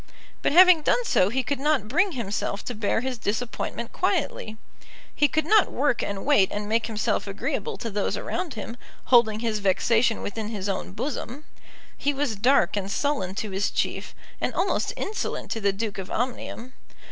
But having done so he could not bring himself to bear his disappointment quietly. He could not work and wait and make himself agreeable to those around him, holding his vexation within his own bosom. He was dark and sullen to his chief, and almost insolent to the Duke of Omnium.